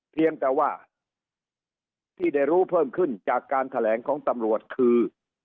เพียงแต่ว่าที่ได้รู้เพิ่มขึ้นจากการแถลงของตำรวจคือ